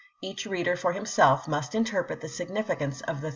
Each reader for himself must interpret the significance of the Api.